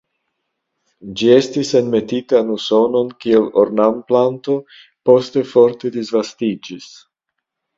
Ĝi estis enmetita en Usonon kiel ornamplanto, poste forte disvastiĝis.